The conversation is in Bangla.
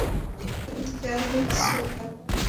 তুমি যা লিখেছো তা পাঠ কর।